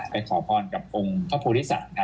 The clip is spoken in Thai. ไปขอพรกับอุงพระพุทธศัตริย์